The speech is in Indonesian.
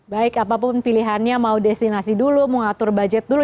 baik apapun pilihannya mau destinasi dulu mau ngatur budget dulu